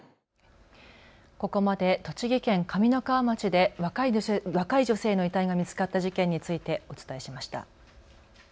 ここまで栃木県上三川町で若い女性の遺体が見つかった事件についてお伝えしました。